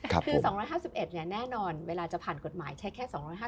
คือ๒๕๑เนี่ยแน่นอนเวลาจะผ่านกฎหมายใช้แค่๒๕๕